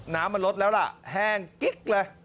น้ำมันลดแล้วล่ะแห้งกิ๊กเลย